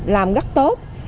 làm rất tốt